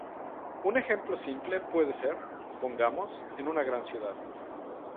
Un ejemplo simple puede ser, pongamos, en una gran ciudad.